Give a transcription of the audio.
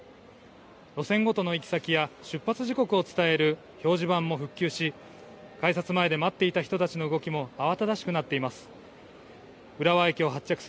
路線ごとの行き先や出発時刻を伝える表示板も復旧し、改札前で待っていた人たちの動きも慌ただしくなっています。